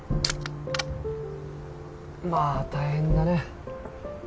まあ大変だね。